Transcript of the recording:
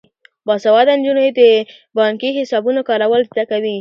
باسواده نجونې د بانکي حسابونو کارول زده کوي.